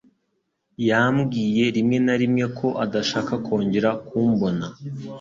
Yambwiye rimwe na rimwe ko adashaka kongera kumbona.